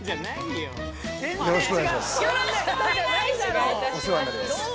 よろしくお願いします